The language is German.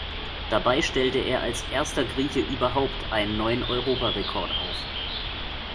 Dabei stellte er als erster Grieche überhaupt einen neuen Europarekord auf.